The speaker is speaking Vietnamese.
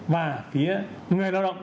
và phía người lao động